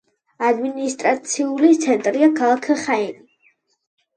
ადმინისტრაციული ცენტრია ქალაქი ხაენი.